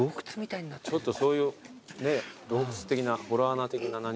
ちょっとそういう洞窟的な洞穴的な何か。